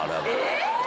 えっ？